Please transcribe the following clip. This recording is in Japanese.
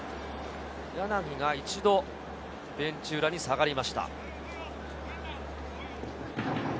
柳が一度ベンチ裏に下がりました。